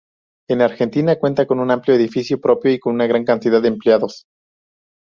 En Argentina cuenta con un amplio edificio propio y con gran cantidad de empleados.